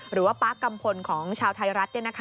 หรือว่าป๊ากกำพลของชาวไทรัฐ